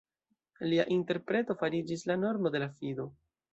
Lia interpreto fariĝis la normo de la fido.